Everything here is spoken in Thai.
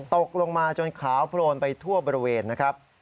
ตกลงมาจนขาวโพลนไปทั่วบริเวณนะครับ